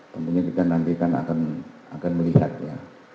tentunya kita nantikan akan melihatnya